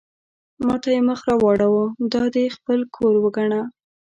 ما ته یې مخ را واړاوه: دا دې خپل کور وګڼه.